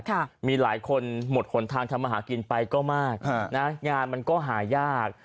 ค่ะมีหลายคนหมดหนทางทำมาหากินไปก็มากฮะนะงานมันก็หายาก